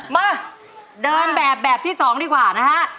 มาเดินแบบแบบที่๒ดีกว่านะฮะ